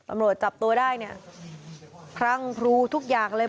ตำรวจจับตัวได้เนี่ยพรั่งพรูทุกอย่างเลย